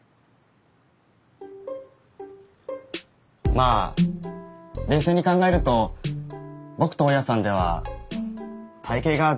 まあ冷静に考えると僕と大家さんでは体型が全然違うよね。